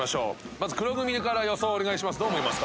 まず黒組から予想お願いします。